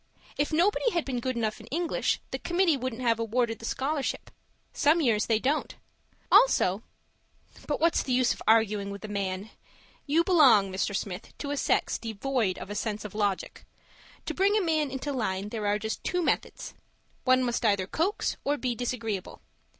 If nobody had been good enough in English, the committee wouldn't have awarded the scholarship; some years they don't. Also But what's the use of arguing with a man? You belong, Mr. Smith, to a sex devoid of a sense of logic. To bring a man into line, there are just two methods: one must either coax or be disagreeable.